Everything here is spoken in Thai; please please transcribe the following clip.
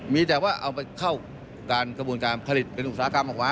มีแต่ว่าเอาไปเข้าการกระบวนการผลิตเป็นอุตสาหกรรมออกมา